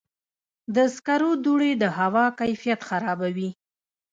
د سکرو دوړې د هوا کیفیت خرابوي.